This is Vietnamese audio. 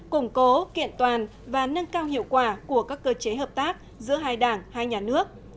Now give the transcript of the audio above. củng cố kiện toàn và nâng cao hiệu quả của các cơ chế hợp tác giữa hai đảng hai nhà nước